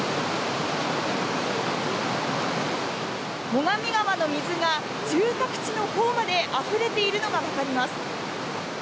最上川の水が住宅地のほうまであふれているのがわかります。